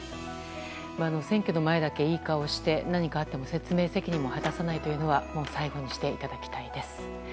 選挙の前だけいい顔して、何かあっても説明責任も果たさないのは最後にしていただきたいです。